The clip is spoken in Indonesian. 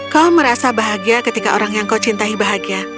kau merasa bahagia ketika orang yang kau cintai bahagia